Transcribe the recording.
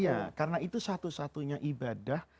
iya karena itu satu satunya ibadah